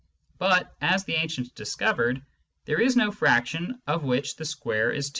But, as the ancients discovered, there is no fraction of which the square is 2.